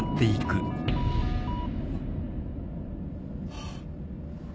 ハァ。